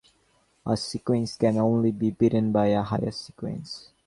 A sequence can only be beaten by a higher sequence.